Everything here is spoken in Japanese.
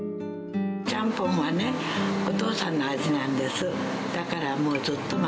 ちゃんぽんはね、お父さんの味なんです。